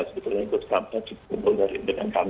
sebetulnya ikut kampanye dengan kami